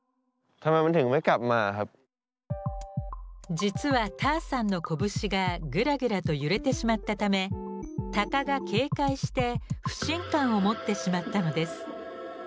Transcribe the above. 実はＴａｒさんの拳がグラグラと揺れてしまったため鷹が警戒して不信感を持ってしまったのです。